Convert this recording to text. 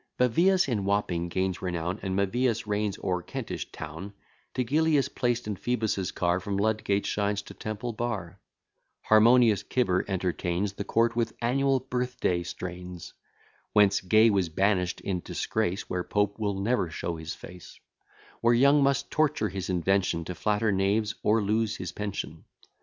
Bavius in Wapping gains renown, And Mævius reigns o'er Kentish town: Tigellius placed in Phooebus' car From Ludgate shines to Temple bar: Harmonious Cibber entertains The court with annual birth day strains; Whence Gay was banish'd in disgrace; Where Pope will never show his face; Where Young must torture his invention To flatter knaves or lose his pension.